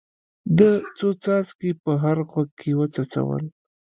ده څو څاڅکي په هر غوږ کې وڅڅول.